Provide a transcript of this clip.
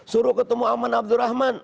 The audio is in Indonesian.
suruh ketemu ahmad abdurrahman